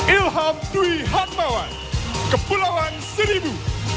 ilham dwi harmawan kepulauan seribu